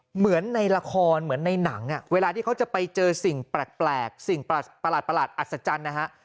เหมือนในละครเหมือนในหนังเวลาที่เขาจะไปเจอสิ่งแปลกสิ่งประหลาดอัศจรรย์นะฮะ